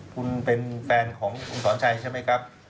คุณเป็นแฟนของคุณสอนชัยใช่ไหมครับ